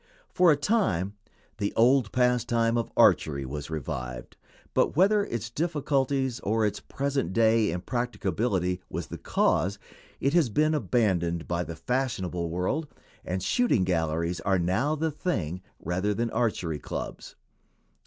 For a time the old pastime of archery was revived, but, whether its difficulties or its present day impracticability was the cause, it has been abandoned by the fashionable world, and shooting galleries are now the "thing" rather than archery clubs.